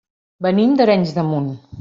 Venim d'Arenys de Munt.